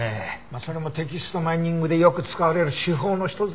それもテキストマイニングでよく使われる手法の一つだけどね。